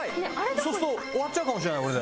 そうすると終わっちゃうかもしれない俺で。